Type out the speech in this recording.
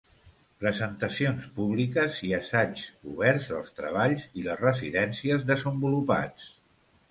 Presentacions públiques i assaigs oberts dels treballs i les residències desenvolupats.